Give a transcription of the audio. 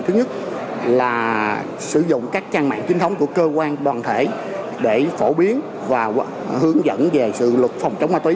thứ nhất là sử dụng các trang mạng chính thống của cơ quan đoàn thể để phổ biến và hướng dẫn về sự luật phòng chống ma túy